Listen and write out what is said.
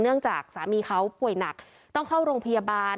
จากสามีเขาป่วยหนักต้องเข้าโรงพยาบาล